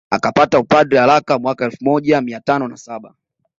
Akapata upadre haraka mwaka wa elfu moja mia tano na saba